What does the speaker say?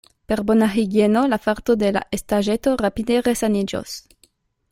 Per bona higieno la farto de la estaĵeto rapide resaniĝos.